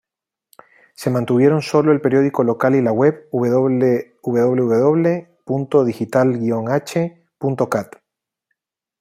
Se mantuvieron sólo el periódico local y la web www.digital-h.cat.